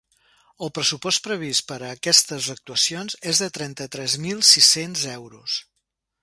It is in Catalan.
El pressupost previst per a aquestes actuacions és de trenta-tres mil sis-cents euros.